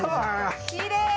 きれい。